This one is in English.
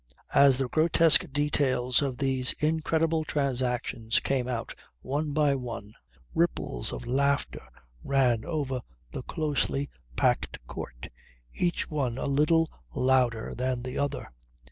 As the grotesque details of these incredible transactions came out one by one ripples of laughter ran over the closely packed court each one a little louder than the other.